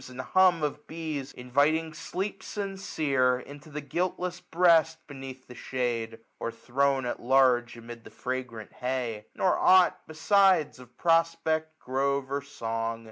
And hum of be^, inviting sleep sincere 1266 Into the guiltless breast, beneath the shade. Or thrown at large amid the fragrant hay ; Nor ought besides of prospect, grove, or song.